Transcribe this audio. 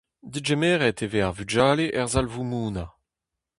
Degemeret e vez ar vugale er sal voumounañ.